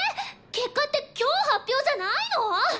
結果って今日発表じゃないの！？